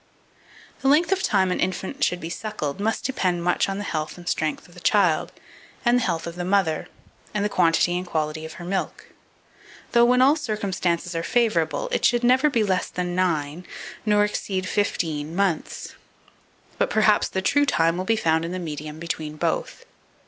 2486. The length of time an infant should be suckled must depend much on the health and strength of the child, and the health of the mother, and the quantity and quality of her milk; though, when all circumstances are favourable, it should never be less than nine, nor exceed fifteen months; but perhaps the true time will be found in the medium between both.